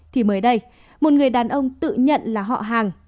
thì mới đây một người đàn ông tự nhận là họ hàng